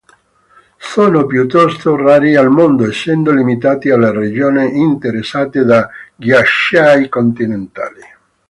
Sono piuttosto rari al mondo, essendo limitati alle regioni interessate da ghiacciai continentali.